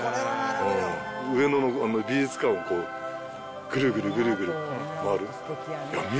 上野の美術館をぐるぐるぐるぐる回る。